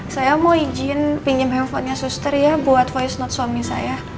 saya mau izin pinjam handphonenya suster ya buat voice note suami saya